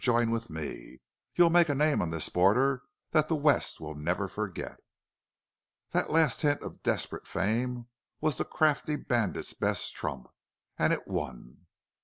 Join with me!... You'll make a name on this border that the West will never forget!" That last hint of desperate fame was the crafty bandit's best trump. And it won.